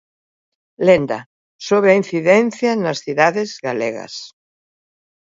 Lenda: Sobe a incidencia nas cidades galegas.